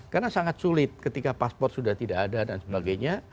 karena sangat sulit ketika paspor sudah tidak ada dan sebagainya